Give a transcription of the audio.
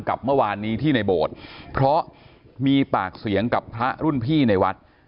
กับเมื่อวานนี้ที่ในโบสถ์เพราะมีปากเสียงกับพระรุ่นพี่ในวัด